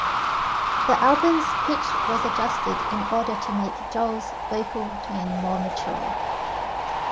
The album's pitch was adjusted in order to make Joel's vocal tone more mature.